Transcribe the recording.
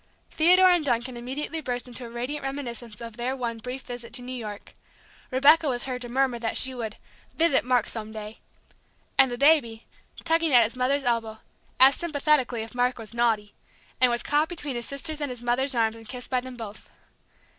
Theodore and Duncan immediately burst into a radiant reminiscence of their one brief visit to New York; Rebecca was heard to murmur that she would "vithet Mark thome day"; and the baby, tugging at his mother's elbow, asked sympathetically if Mark was naughty, and was caught between his sister's and his mother's arms and kissed by them both.